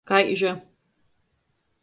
Kaiža.